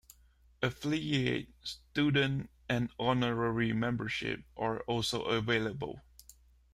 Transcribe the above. Affiliate, Student and Honorary membership are also available.